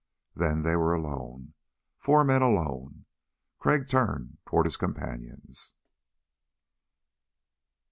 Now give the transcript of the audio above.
Then they were alone, four men alone. Crag turned toward his companions.